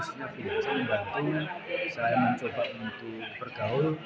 saya membantu saya mencoba untuk bergaul